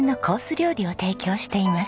料理を提供しています。